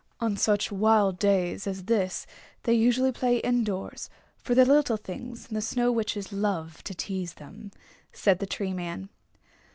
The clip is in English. "On such wild days as this they usually play indoors, for they're little things and the Snow Witches love to tease them," said the Tree Man.